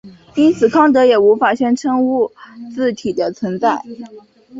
因此康德也无法宣称物自体的存在。